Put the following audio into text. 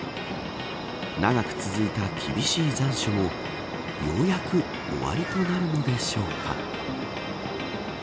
長く続いた厳しい残暑もようやく終わりとなるのでしょうか。